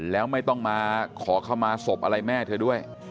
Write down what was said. แล้วไม่ต้องมาขอเข้ามาศพอะไรแม่เธอด้วย